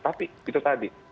tapi itu tadi